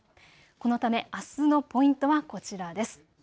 このためあすのポイントはこちらです。